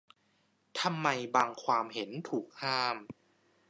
ทำไมบางความเห็นถูกห้าม